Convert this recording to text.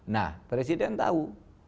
nah presiden tahu